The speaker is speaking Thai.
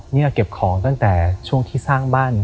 นี่เก็บของตั้งแต่ช่วงที่สร้างบ้าน